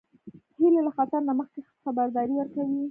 هیلۍ له خطر نه مخکې خبرداری ورکوي